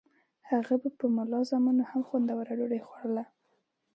هغه به په ملازمانو هم خوندوره ډوډۍ خوړوله.